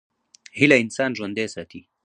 هیله انسان ژوندی ساتي.